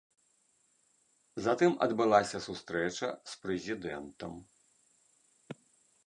Затым адбылася сустрэча з прэзідэнтам.